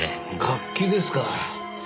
楽器ですか。